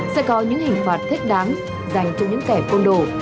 sẽ có những hình phạt thích đáng dành cho những kẻ côn đồ